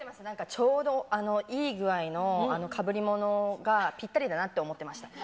ちょうどいい具合のかぶりものがぴったりだなって思ってました。